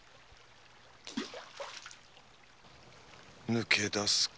抜け出すか。